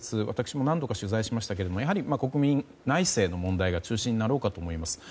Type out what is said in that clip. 私も何度か取材しましたがやはり国民内政の問題が中心になろうかと思います。